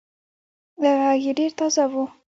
غږ يې ډېر تازه وو.